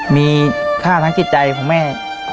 มีค่าทางจิตใจของแม่